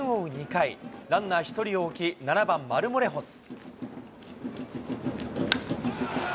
２回、ランナー１人を置き、７番マルモレホス。